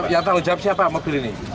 yang tanggung jawab siapa mobil ini